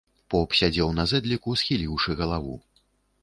Поп сядзеў на зэдліку, схіліўшы галаву.